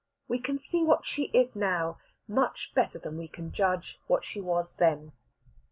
We can see what she is now much better than we can judge what she was then.